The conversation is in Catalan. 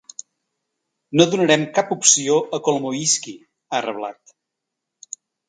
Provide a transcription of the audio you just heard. No donarem cap opció a Kolomoyskyi, ha reblat.